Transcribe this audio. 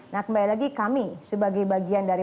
nah kembali lagi kami sebagai bagian dari